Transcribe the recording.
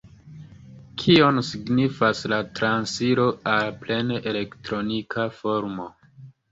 Kion signifas la transiro al plene elektronika formo?